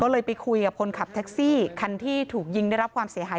เลยไปคุยกับคนขับแท็กซี่คันที่ถูกยิงได้รับความเสียหาย